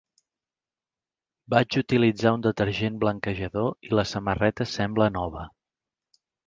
Vaig utilitzar un detergent blanquejador i la samarreta sembla nova.